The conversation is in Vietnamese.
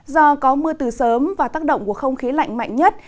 do có mưa từ sớm và tác động của không khí lạnh mạnh nhất